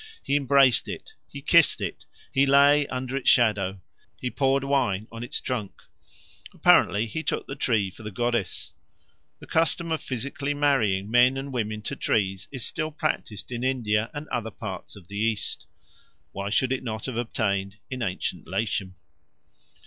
He embraced it, he kissed it, he lay under its shadow, he poured wine on its trunk. Apparently he took the tree for the goddess. The custom of physically marrying men and women to trees is still practised in India and other parts of the East. Why should it not have obtained in ancient Latium?